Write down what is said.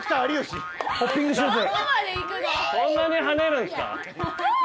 そんなに跳ねるんすか？